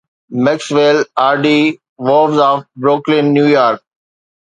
Maxwell R D Vos of Brooklyn, New York